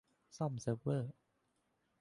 ซ่อมเซิร์ฟเวอร์